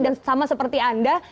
dan sama seperti anda